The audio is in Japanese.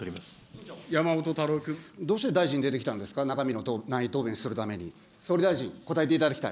山本太郎君。どうして大臣、出てきたんですか、中身もない答弁するために、総理大臣、答えていただきたい。